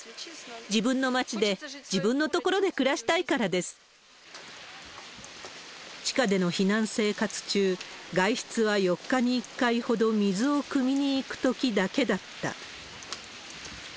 自分の町で、地下での避難生活中、外出は４日に１回ほど水をくみに行くときだけだった。